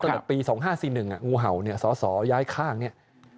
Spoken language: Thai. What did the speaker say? ตั้งแต่ปี๒๕๔๑งูเห่าเนี่ยสสย้ายข้างเนี่ย